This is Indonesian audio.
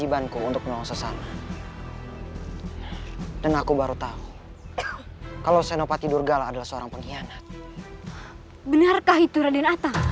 ini tidak bisa dibiarkan